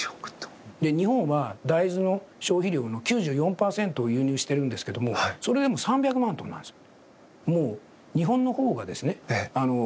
日本は大豆の消費量の９４％を輸入してるんですけどもそれでも３００万トンなんです。